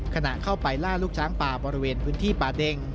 ขณะเข้าไปล่าลูกช้างป่าบริเวณพื้นที่ป่าเด็ง